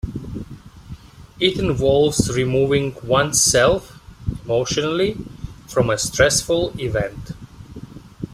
It involves removing one's self, emotionally, from a stressful event.